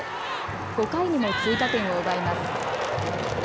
５回にも追加点を奪います。